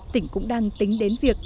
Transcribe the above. tỉnh cũng đang tính đến việc